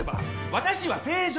私は正常！